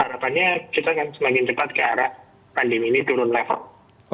harapannya kita akan semakin cepat ke arah pandemi ini turun level